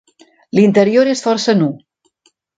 L'interior és força nu.